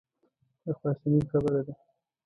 د خواشینۍ خبره ده.